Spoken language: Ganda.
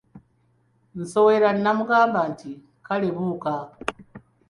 Nsowera n'amugamba nti, kale buuka!